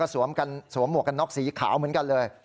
สวมหมวกกันน็อกสีขาวเหมือนกันเลย